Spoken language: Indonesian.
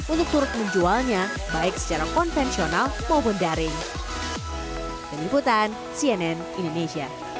untuk turut menjualnya baik secara konvensional maupun daring